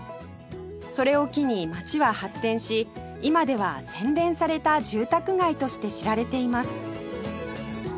それを機に街は発展し今では洗練された住宅街として知られています